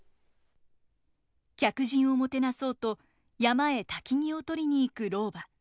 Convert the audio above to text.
客人をもてなそうと山へ薪を取りに行く老婆。